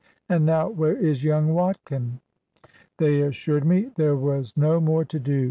And now where is young Watkin?" They assured me there was no more to do.